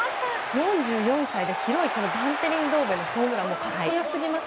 ４４歳で広いバンテリンドームでのホームランって格好良すぎます。